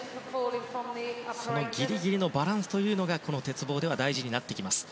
そのギリギリのバランスが鉄棒では大事になってきます。